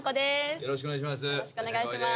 よろしくお願いします